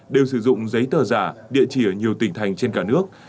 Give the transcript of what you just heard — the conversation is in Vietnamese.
đều sử dụng giấy tờ giả địa chỉ ở nhiều tỉnh thành trên cả nước